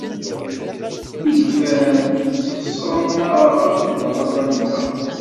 Ilfan sxeṣren-aɣ akk lbaṭaṭa-nteɣ.